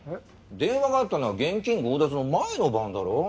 電話があったのは現金強奪の前の晩だろ。